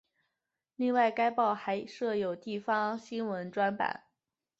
另外该报还设有地方新闻专版。